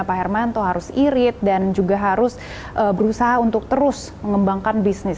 pak hermanto harus irit dan juga harus berusaha untuk terus mengembangkan bisnis